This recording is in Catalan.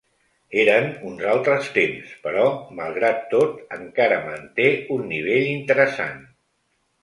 Eren uns altres temps, però, malgrat tot, encara manté un nivell interessant.